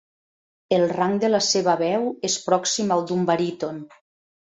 El rang de la seva veu és pròxim al d'un baríton.